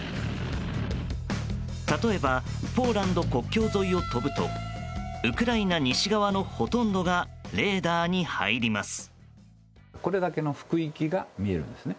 例えばポーランド国境沿いを飛ぶとウクライナ西側のほとんどがレーダーに入ります。